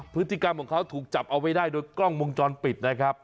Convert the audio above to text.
พฤติกรรมของเขาถูกจับเอาไว้ได้โดยกล้องวงจรปิดนะครับ